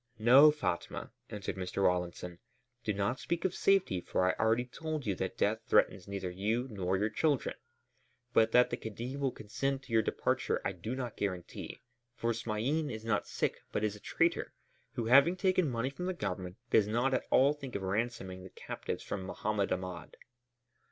"No, Fatma," answered Mr. Rawlinson, "do not speak of safety for I already told you that death threatens neither you nor your children. But that the Khedive will consent to your departure I do not guarantee, for Smain is not sick but is a traitor, who, having taken money from the Government, does not at all think of ransoming the captives from Mohammed Ahmed."